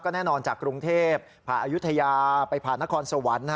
แน่นอนจากกรุงเทพผ่านอายุทยาไปผ่านนครสวรรค์